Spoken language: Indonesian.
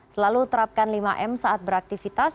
selalu terapkan lima m saat beraktivitas